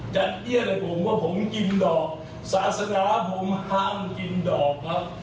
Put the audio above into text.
จัดเยี่ยมให้ผมว่าผมกินดอกศาสนาผมห้ามกินดอกครับ